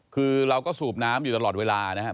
คือเราก็สูบน้ำอยู่ตลอดเวลานะครับ